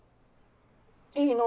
いいの？